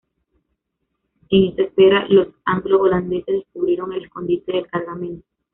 En esa espera, los anglo-holandeses descubrieron el escondite del cargamento.